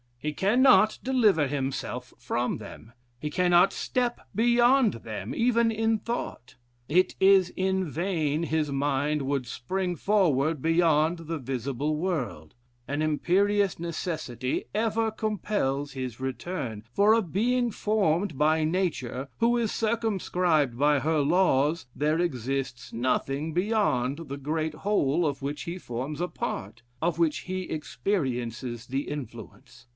He cannot deliver himself from them. He cannot step beyond them even in thought. It is in vain his mind would spring forward beyond the visible world: an imperious necessity ever compels his return for a being formed by Nature, who is circumscribed by her laws, there exists nothing beyond the great whole of which he forms a part, of which be experiences the influence.